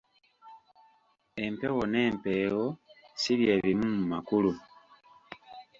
Empewo n'empeewo si bye bimu mu makulu.